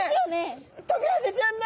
トビハゼちゃんだ！